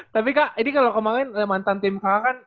tapi kak ini kalo kemaren mantan tim kakak kan